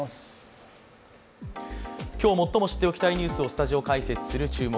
今日最も知っておきたいニュースをスタジオ解説する「注目！